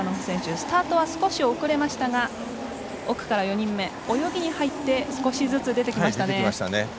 スタートは少し遅れましたが奥から４人目泳ぎに入って少しずつ出てきましたね。